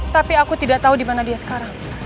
tapi aku tidak tahu dimana dia sekarang